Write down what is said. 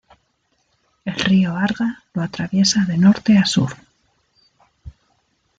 El río Arga lo atraviesa de norte a sur.